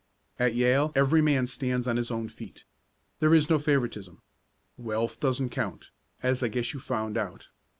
"At Yale every man stands on his own feet. There is no favoritism. Wealth doesn't count, as I guess you've found out.